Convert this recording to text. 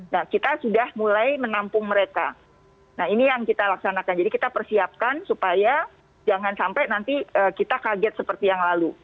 nah kita sudah mulai menampung mereka nah ini yang kita laksanakan jadi kita persiapkan supaya jangan sampai nanti kita kaget seperti yang lalu